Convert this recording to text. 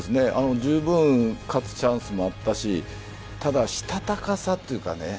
じゅうぶん勝つチャンスもあったしただ、したたかさというかね